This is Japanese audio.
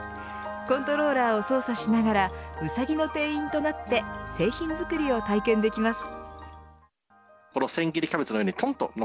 コントローラーを操作しながらウサギの店員となって製品作りを体験できます。